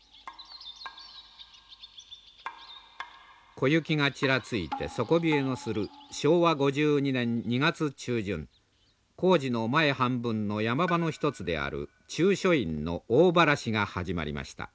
小雪がちらついて底冷えのする昭和５２年２月中旬工事の前半分の山場の一つである中書院の大ばらしが始まりました。